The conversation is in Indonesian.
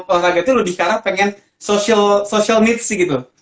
kalau kagetnya lo dikara pengen social needs gitu